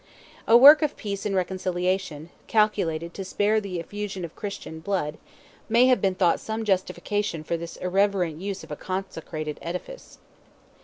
A work of peace and reconciliation, calculated to spare the effusion of Christian blood, may have been thought some justification for this irreverent use of a consecrated edifice.